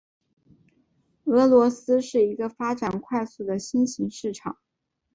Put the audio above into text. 俄罗斯是一个发展快速的新型市场。